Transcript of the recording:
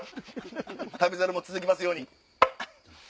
『旅猿』も続きますように。